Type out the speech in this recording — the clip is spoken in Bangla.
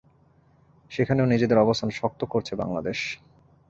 সেখানেও নিজেদের অবস্থান শক্ত করছে বাংলাদেশ।